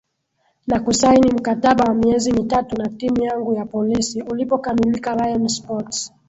na kusaini mkataba wa miezi mitatu na timu yangu ya Polisi ulipokamilika Rayon Sports